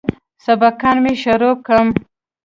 سبقان مې شروع کم.